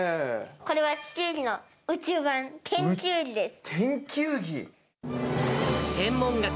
これは地球儀の宇宙版、天球儀です。